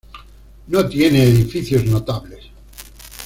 No tiene edificios notables.